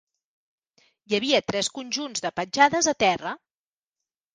Hi havia tres conjunts de petjades a terra.